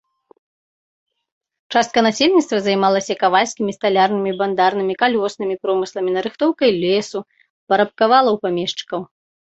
Частка насельніцтва займалася кавальскімі, сталярнымі, бандарнымі, калёснымі промысламі, нарыхтоўкай лесу, парабкавала ў памешчыкаў.